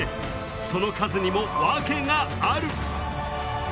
その数にもワケがある！